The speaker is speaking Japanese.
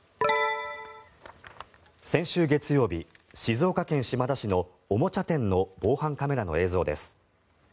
先週月曜日静岡県島田市のおもちゃ店の防犯カメラの映像です。